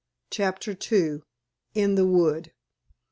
CHAPTER II. IN THE WOOD.